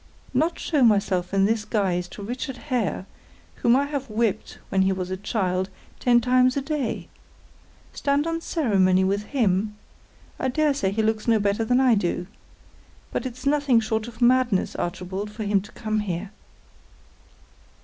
"Not show myself in this guise to Richard Hare whom I have whipped when he was a child ten times a day! Stand on ceremony with him! I dare say he looks no better than I do. But it's nothing short of madness, Archibald, for him to come here."